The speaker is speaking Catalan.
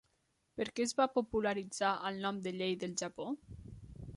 Per què es va popularitzar el nom de llei del Japó?